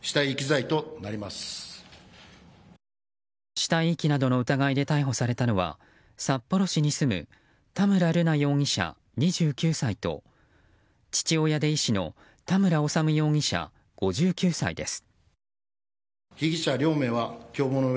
死体遺棄などの疑いで逮捕されたのは札幌市に住む田村瑠奈容疑者、２９歳と父親で医師の田村修容疑者、５９歳です。